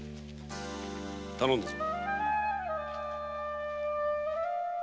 頼んだぞ。